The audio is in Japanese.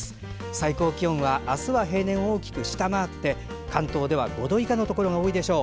最高気温は明日は平年を大きく下回って関東では５度以下のところが多いでしょう。